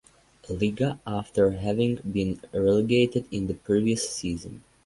Liga after having been relegated in the previous season.